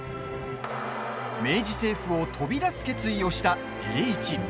明治政府を飛び出す決意をした栄一。